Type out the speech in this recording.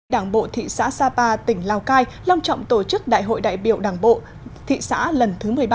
đảng bộ thị xã sapa tỉnh lào cai long trọng tổ chức đại hội đại biểu đảng bộ thị xã lần thứ một mươi ba